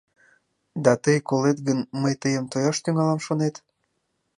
Да тый колет гын, мый тыйым тояш тӱҥалам, шонет?